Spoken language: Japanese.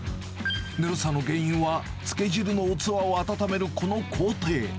ぬるさの原因は、つけ汁の器を温めるこの光景。